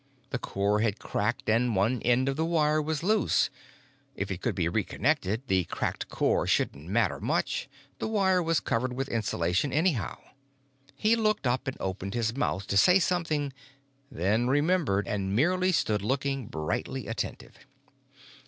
The core had cracked and one end of the wire was loose; if it could be reconnected, the cracked core shouldn't matter much—the wire was covered with insulation anyhow. He looked up and opened his mouth to say something, then remembered and merely stood looking brightly attentive.